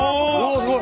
すごい！